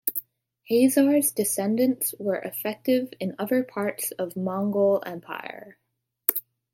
Hasar's descendants were effective in other parts of Mongol Empire.